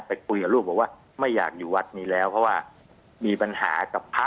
ไปคุยกับลูกบอกว่าไม่อยากอยู่วัดนี้แล้วเพราะว่ามีปัญหากับพระ